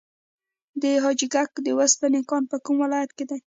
د حاجي ګک د وسپنې کان په کوم ولایت کې دی؟